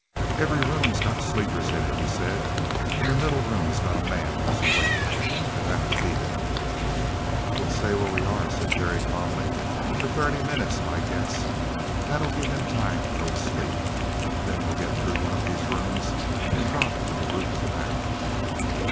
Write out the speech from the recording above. "Every room got sleepers in it," he said. "And the middle room has got a man who's awake. We'll have to beat it." "We'll stay where we are," said Terry calmly, "for thirty minutes by guess. That'll give him time to go asleep. Then we'll go through one of those rooms and drop to the roof of the bank."